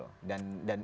dan itu sudah dikawal